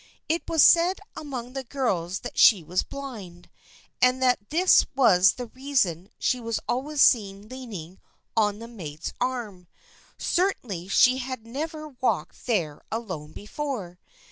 It was said among the girls that she was blind, and that this was the reason she was always seen lean ing on the maid's arm. Certainly she had never walked there alone before.